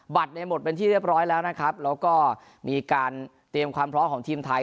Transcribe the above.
เนี่ยหมดเป็นที่เรียบร้อยแล้วนะครับแล้วก็มีการเตรียมความพร้อมของทีมไทย